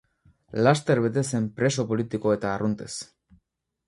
Laster bete zen preso politiko eta arruntez.